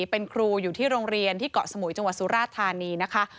เป็นครูอยู่ที่โรงเรียนที่เกาะสมุยจังหวัดสุราธานีนะคะ